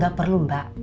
gak perlu mbak